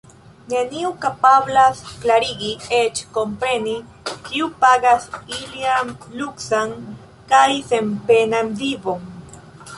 Neniu kapablas klarigi, eĉ kompreni, kiu pagas ilian luksan kaj senpenan vivon.